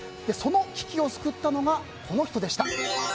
その危機を救ったのがこの人でした。